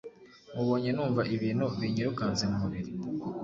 Mubonye numva ibintu binyirukanse mu mubiri ,